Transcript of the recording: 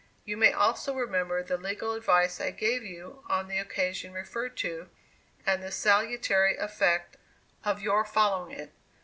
You may also remember the legal advice I gave you on the occasion referred to, and the salutary effect of your following it.